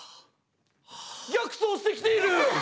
逆走してきている！